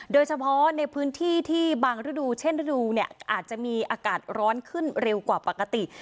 โดยเฉพาะในพื้นที่ที่บางฤดูเช่นฤดูเนี่ยอาจจะมีอากาศร้อนขึ้นเร็วกว่าปกติ